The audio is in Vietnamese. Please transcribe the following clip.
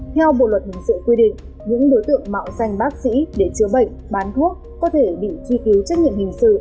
theo bộ luật hình sự quy định những đối tượng mạo danh bác sĩ để chữa bệnh bán thuốc có thể bị truy cứu trách nhiệm hình sự